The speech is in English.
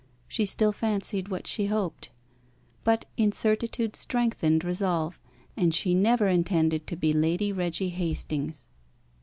She still fancied what she hoped. But incertitude strengthened resolve, and she never intended to be Lady Reggie Hastings.